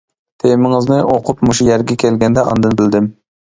تېمىڭىزنى ئوقۇپ مۇشۇ يەرگە كەلگەندە ئاندىن بىلدىم.